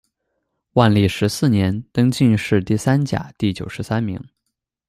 万历十四年，登进士第三甲第九十三名。